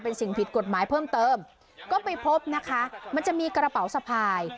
เป็นสิ่งผิดกฎหมายเพิ่มเติมก็ไปพบนะคะมันจะมีกระเป๋าสะพาย